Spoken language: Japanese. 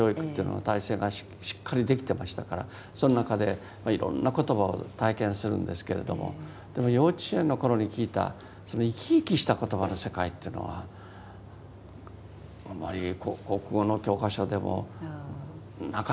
体制がしっかりできてましたからその中でいろんな言葉を体験するんですけれどもでも幼稚園の頃に聞いたその生き生きした言葉の世界っていうのはあまり国語の教科書でもなかったですよね。